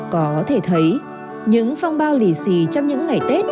có thể thấy những phong bao lì xì trong những ngày tết